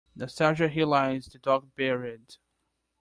Nostalgia Here lies the dog buried.